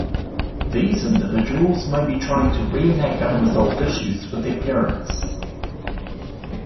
These individuals may be trying to reenact unresolved issues with their parents.